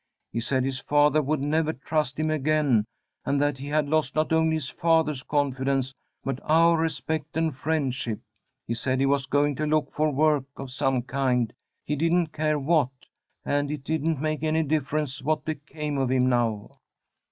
He said his father would never trust him again, and that he had lost not only his father's confidence, but our respect and friendship. He said he was going to look for work of some kind, he didn't care what, and it didn't make any difference what became of him now.